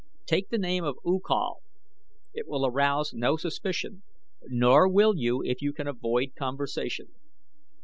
Take the name of U Kal it will arouse no suspicion, nor will you if you can avoid conversation.